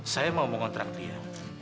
saya mau mengontrak dia